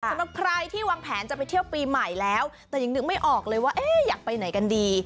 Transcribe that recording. สำหรับใครที่วางแผนจะไปเที่ยวปีใหม่แล้วแต่ยังนึกไม่ออกเลยว่าเอ๊ะอยากไปไหนกันดี